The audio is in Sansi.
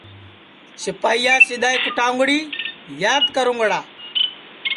سِپائییاس اِدؔا کُٹاؤنگڑی یاد کرُونگڑا